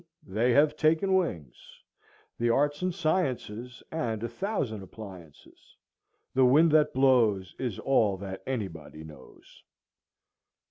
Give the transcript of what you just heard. they have taken wings,— The arts and sciences, And a thousand appliances; The wind that blows Is all that any body knows.